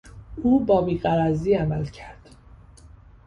او با بیغرضی عمل کرد.